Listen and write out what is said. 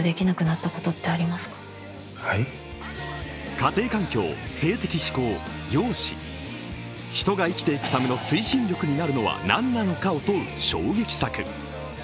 家庭環境、性的指向、容姿人が生きていくための推進力になるのはなんなのかを問う衝撃作。